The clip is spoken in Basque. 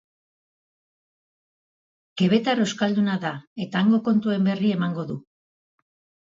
Quebectar euskalduna da eta hango kontuen berri emango diu.